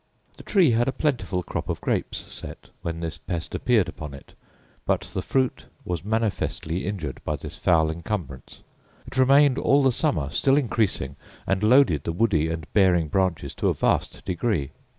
The tree had a plentiful crop of grapes set, when this pest appeared upon it; but the fruit was manifestly injured by this foul incumbrance. It remained all the summer, still increasing, and loaded the woody and bearing branches to a vast degree.